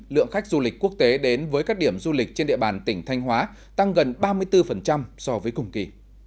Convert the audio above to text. lượng khách du lịch quốc tế đến với các điểm du lịch trên địa bàn tỉnh thanh hóa tăng gần ba mươi bốn so với cùng kỳ